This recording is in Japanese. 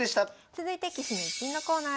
続いて「棋士の逸品」のコーナーです。